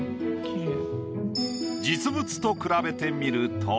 実物と比べてみると。